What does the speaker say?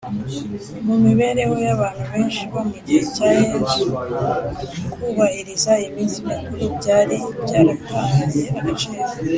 Mu mibereho y’abantu benshi bo mu gihe cya Yesu, kubahiriza iyi minsi mikuru byari byarataye agaciro